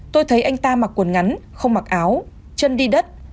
tôi thấy anh ta mặc quần ngắn không mặc áo chân đi đất